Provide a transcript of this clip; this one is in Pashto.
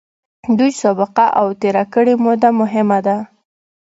دوی سابقه او تېره کړې موده مهمه ده.